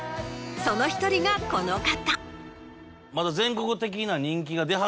その１人がこの方。